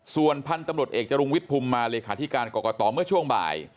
ส่วนพันธุ์ตำรวจเอกจรุงวิทย์ภูมิมาเลขาธิการกรกตเมื่อช่วงบ่าย